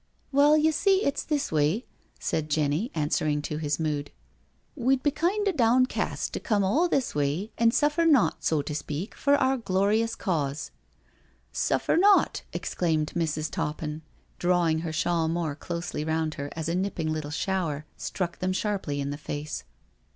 " Well, you see it*s this way/* said Jenny, answering to his mood. " We'd be kind of downcast to come all this way and suffer naught, so to speak, for our glorious Cause.'* "Suffer naught I'* exclaimed Mrs. Toppin, drawing her shawl more closely round her as a nipping little shower struck them sharply in the face.